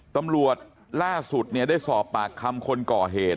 ตำรวจล่าสุดได้สอบปากคำคนก่อเหตุ